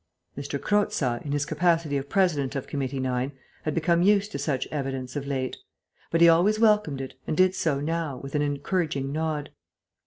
M. Croza, in his capacity of President of Committee 9, had become used to such evidence of late. But he always welcomed it, and did so now, with an encouraging nod.